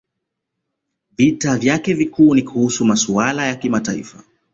Vita vyake vikuu ni kuhusu masuala ya kimataifa